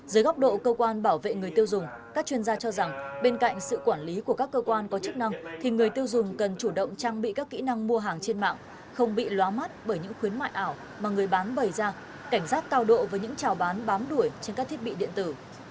dưới góc độ cơ quan bảo vệ người tiêu dùng các chuyên gia cho rằng bên cạnh sự quản lý của các cơ quan có chức năng thì người tiêu dùng cần chủ động trang bị các kỹ năng mua hàng trên mạng không bị loá mắt bởi những khuyến mại ảo mà người bán bày ra cảnh giác cao độ với những trào bán bám đuổi trên các thiết bị điện tử